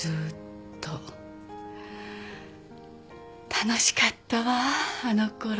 楽しかったわあのころ。